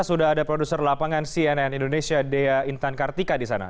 sudah ada produser lapangan cnn indonesia dea intan kartika di sana